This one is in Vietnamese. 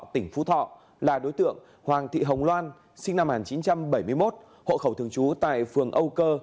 tỉnh phú thọ là đối tượng hoàng thị hồng loan sinh năm một nghìn chín trăm bảy mươi một hộ khẩu thường trú tại phường âu cơ